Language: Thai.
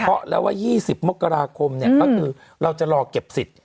เพราะแล้วว่า๒๐มกราคมเนี่ยก็คือเราจะรอเก็บสิทธิ์